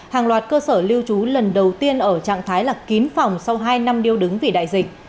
hàng loạt cơ sở lưu trú lần đầu tiên ở trạng thái là kín phòng sau hai năm điêu đứng vì đại dịch